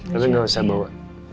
tapi gak usah bawa